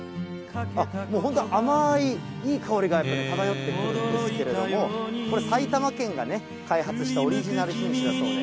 もう、本当甘いいい香りが漂ってくるんですけれども、これ、埼玉県が開発したオリジナル品種だそうで。